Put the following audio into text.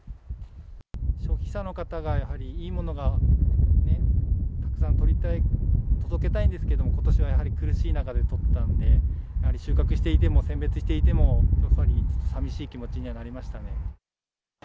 消費者の方がやはりいいものを、たくさん届けたいんですけれども、ことしはやはり苦しい中で取ったんで、やはり収穫していても、選別していても、やっぱり寂しい気持ちにはなりましたね。